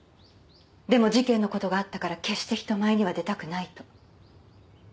でも事件の事があったから決して人前には出たくないと。